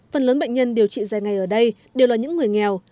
phần lớn bệnh nhân điều trị dài ngày ở đây đều là những người nghèo